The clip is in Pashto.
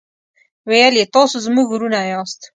ویل یې تاسو زموږ ورونه یاست.